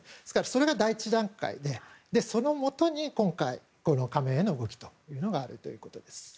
それが第１段階でそのもとに今回この加盟への動きというのがあるということです。